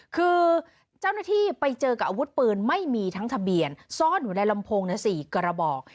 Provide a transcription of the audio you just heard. คือเจ้าหน้าที่ไปเจอกับอาวุธปืนไม่มีทั้งทะเบียนซ่อนอยู่ในลำโพงใน๔กระบอก